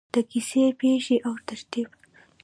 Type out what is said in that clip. د کیسې پیښې او ترتیب: